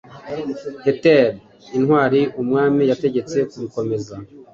Hrethel intwari-umwami yantegetse kubikomeza